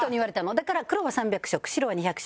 だから黒は３００色白は２００色。